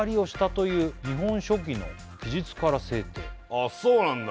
あそうなんだ